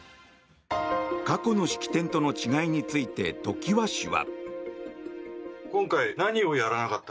過去の式典との違いについて常盤氏は。